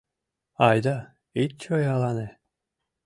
— Айда, ит чоялане!